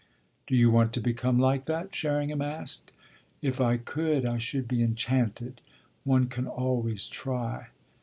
"Do you want to become like that?" Sherringham asked. "If I could I should be enchanted. One can always try."